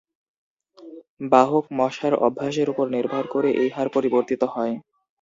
বাহক মশার অভ্যাসের উপর নির্ভর করে এই হার পরিবর্তিত হয়।